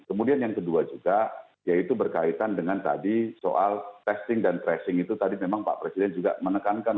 kemudian yang kedua juga yaitu berkaitan dengan tadi soal testing dan tracing itu tadi memang pak presiden juga menekankan